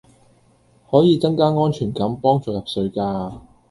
可以增加安全感幫助入睡架